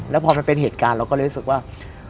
แล้วพอมันเป็นเหตุการณ์เราก็เลยรู้สึกว่า